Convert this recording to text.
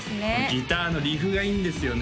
ギターのリフがいいんですよね